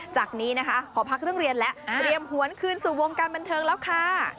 จากนี้นะคะขอพักเรื่องเรียนแล้วเตรียมหวนคืนสู่วงการบันเทิงแล้วค่ะ